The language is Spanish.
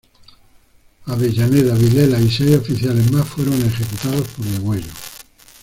Avellaneda, Vilela y seis oficiales más fueron ejecutados por degüello.